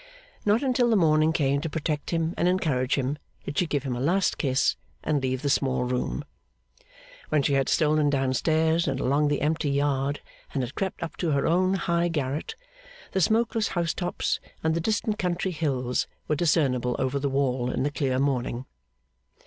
Not until the morning came to protect him and encourage him, did she give him a last kiss and leave the small room. When she had stolen down stairs, and along the empty yard, and had crept up to her own high garret, the smokeless housetops and the distant country hills were discernible over the wall in the clear morning.